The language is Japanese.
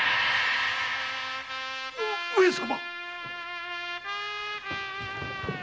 上様！